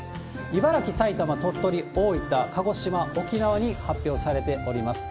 茨城、埼玉、鳥取、大分、鹿児島、沖縄に発表されております。